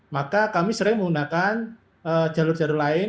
maka kami sering menggunakan jalur jalur lain